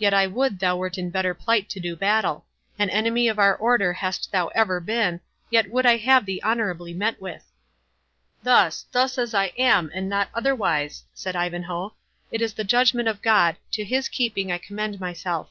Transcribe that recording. Yet I would thou wert in better plight to do battle. An enemy of our Order hast thou ever been, yet would I have thee honourably met with." "Thus—thus as I am, and not otherwise," said Ivanhoe; "it is the judgment of God—to his keeping I commend myself.